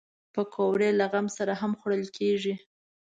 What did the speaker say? پکورې له غم سره هم خوړل کېږي